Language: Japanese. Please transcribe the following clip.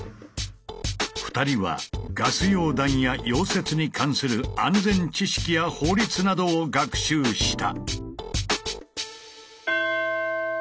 ２人はガス溶断や溶接に関する安全知識や法律などを学習した。